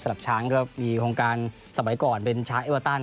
ช้างก็มีโครงการสมัยก่อนเป็นช้างเอเวอร์ตัน